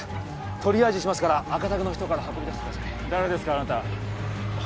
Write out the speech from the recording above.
トリアージしますから赤タグの人から運び出してください誰ですかあなた？